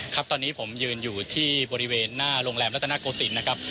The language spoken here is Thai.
ครับตอนนี้ผมยืนอยู่ที่บริเวณหน้าโรงแรมรัฐนาโกศิลป์นะครับ